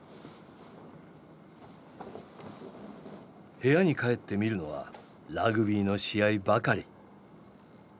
部屋に帰って見るのはラグビーの試合ばかり。